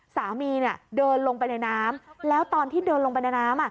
สามีเดินลงไปในน้ำแล้วตอนที่เดินลงไปในน้ำ